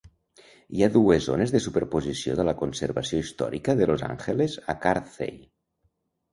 Hi ha dues zones de superposició de la conservació històrica de Los Angeles a Carthay.